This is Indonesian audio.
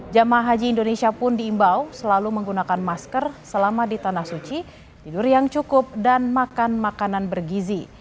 jemaah haji indonesia pun diimbau selalu menggunakan masker selama di tanah suci tidur yang cukup dan makan makanan bergizi